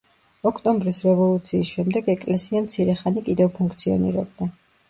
ოქტომბრის რევოლუციის შემდეგ ეკლესია მცირე ხანი კიდევ ფუნქციონირებდა.